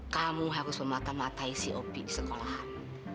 kamu harus memata matai si opi di sekolahan